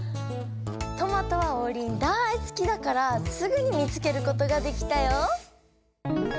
「とまと」はオウリン大すきだからすぐに見つけることができたよ。